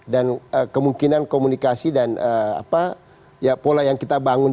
dan kemungkinan komunikasi dan pola yang kita bangun